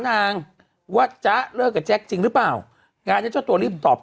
นางว่าจ๊ะเลิกกับแจ๊คจริงหรือเปล่างานนี้เจ้าตัวรีบตอบ